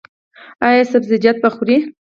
ایا سبزیجات به خورئ؟